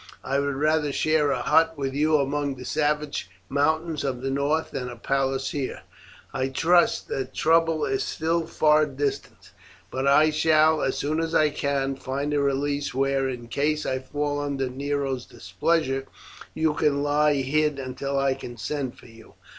I would rather share a hut with you among the savage mountains of the north than a palace here." "I trust that trouble is still far distant, but I shall, as soon as I can, find a retreat where, in case I fall under Nero's displeasure, you can lie hid until I can send for you."